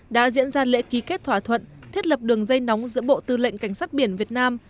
đã diễn ra lễ ký kết thỏa thuận thiết lập đường dây nóng giữa bộ tư lệnh cảnh sát biển việt nam